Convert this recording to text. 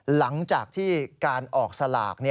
หลังจากที่การออกสลาก